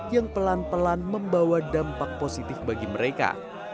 yang pelan pelan membawa dampak positif bagi mereka